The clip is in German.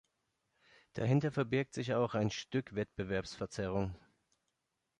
Dahinter verbirgt sich auch ein Stück Wettbewerbsverzerrung.